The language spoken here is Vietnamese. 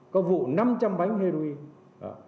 có vụ năm trăm linh bánh heroin